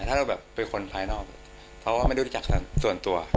ถ้าเราแบบเป็นคนภายนอกเพราะว่าไม่รู้จักส่วนตัว